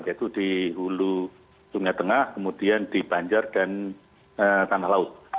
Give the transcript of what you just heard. yaitu di hulu sungai tengah kemudian di banjar dan tanah laut